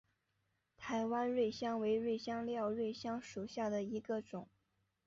台湾瑞香为瑞香科瑞香属下的一个种。